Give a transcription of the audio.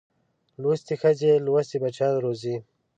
لوستې ښځې لوستي بچیان روزي